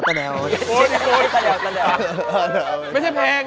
ไม่ใช่แพง